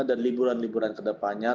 dan liburan liburan kedepannya